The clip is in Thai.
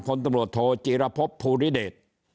คนตำรวจโทจีรพบภูริเดช